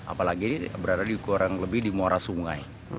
apalagi ini berada di kurang lebih di muara sungai